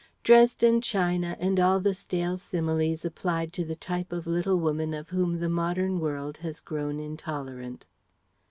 Dresden china and all the stale similes applied to a type of little woman of whom the modern world has grown intolerant.